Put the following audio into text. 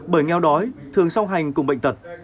bởi nghèo đói thường xong hành cùng bệnh tật